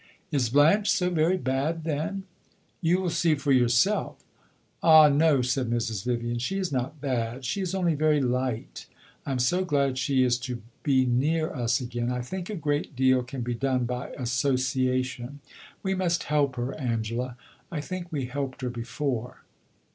"Is Blanche so very bad, then?" "You will see for yourself!" "Ah, no," said Mrs. Vivian, "she is not bad; she is only very light. I am so glad she is to be near us again. I think a great deal can be done by association. We must help her, Angela. I think we helped her before."